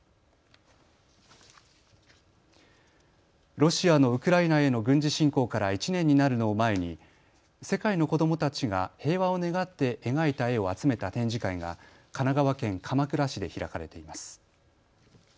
ロシアのウクライナへの軍事侵攻から１年になるのを前に世界の子どもたちが平和を願って描いた絵を集めた展示会が神奈川県鎌倉市で開かれています。